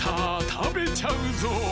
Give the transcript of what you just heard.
たべちゃうぞ！